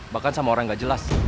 bahkan sama orang yang gak jelas